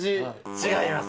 違います。